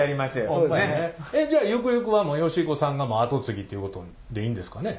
じゃあゆくゆくは慶彦さんが後継ぎっていうことでいいんですかね？